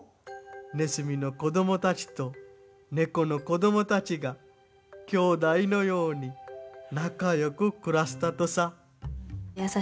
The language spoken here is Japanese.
ネズミの子供たちと猫の子供たちが兄弟のように仲よく暮らしたとさ。